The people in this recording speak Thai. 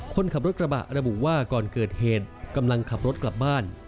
คนขับรถกระบะระบุว่าก่อนเกิดเหตุกำลังขับรถกลับบ้าน